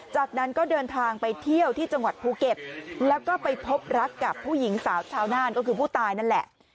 จากนั้นก็เดินทางไปเที่ยวที่จังหวัดภูเก็ตแล้วก็ไปพบรักกับผู้หญิงสาวชาวน่านก็คือผู้ตายนั่นแหละ